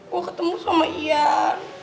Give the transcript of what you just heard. gue ketemu sama ian